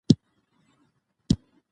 میوند چې فتح سو، تاریخي ځای دی.